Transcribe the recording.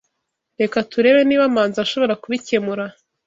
Reka turebe niba Manzi ashobora kubikemura.